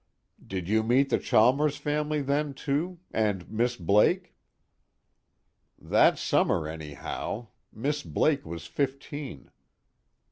"Did you meet the Chalmers family then too? And Miss Blake?" "That summer anyhow. Miss Blake was fifteen."